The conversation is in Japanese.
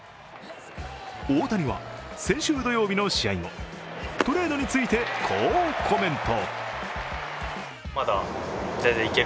大谷は先週土曜日の試合後トレードについて、こうコメント。